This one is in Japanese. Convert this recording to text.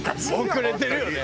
遅れてるよね。